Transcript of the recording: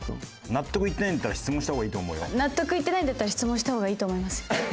納得いってないんだったら質問した方がいいと思いますよ。